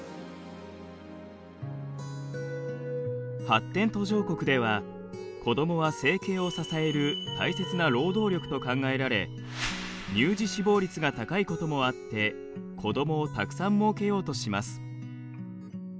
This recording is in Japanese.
発展途上国では子どもは生計を支える大切な労働力と考えられ乳児死亡率が高いこともあって子どもをたくさんもうけようとします。